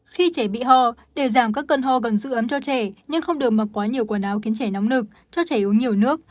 khi trẻ bị ho đều giảm các cân ho gần sự ấm cho trẻ nhưng không được mặc quá nhiều quần áo khiến trẻ nóng nực cho trẻ uống nhiều nước